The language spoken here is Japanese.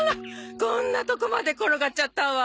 こんなとこまで転がっちゃったわ。